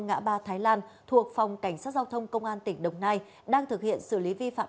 ngã ba thái lan thuộc phòng cảnh sát giao thông công an tỉnh đồng nai đang thực hiện xử lý vi phạm